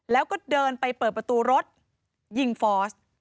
แล้วก็เดินไปเปิดประตูรถยิงฟอส